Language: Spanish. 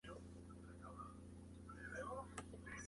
El viajero es un costarricense del Valle Central.